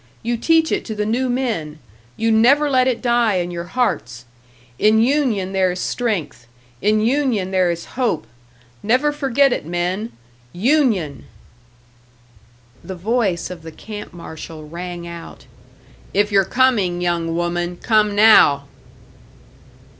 You teach it to the new men, you never let it die in your hearts! In union there is strength, in union there is hope! Never forget it, men Union!" The voice of the camp marshal rang out. "If you're coming, young woman, come now!"